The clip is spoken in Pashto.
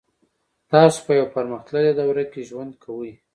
تاسو په یوه پرمختللې دوره کې ژوند کوئ